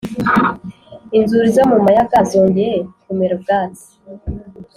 inzuri zo mu mayaga zongeye kumera ubwatsi,